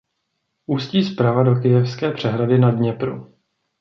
Ústí zprava do Kyjevské přehrady na Dněpru.